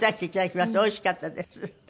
おいしかったです。